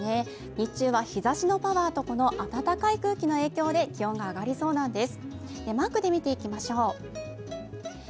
日中は日ざしのパワーとこの暖かい空気の影響で気温が上がりそうなんです。